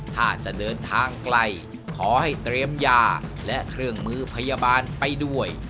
ถ้าจะเดินทางไกลขอให้เตรียมยาและเครื่องมือพยาบาลไปด้วย